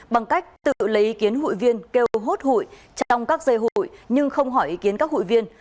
bằng cách tự lấy ý kiến hụi viên kêu hốt hụi trong các dây hụi nhưng không hỏi ý kiến các hội viên